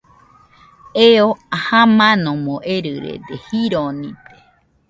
Eo jamanomo erɨrede, jironide